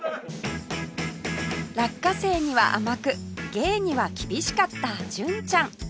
落花生には甘く芸には厳しかった純ちゃん